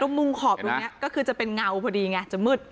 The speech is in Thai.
ตรงมุมขอบอยู่เนี่ยก็คือจะเป็นเงาพอดีไงจะมืด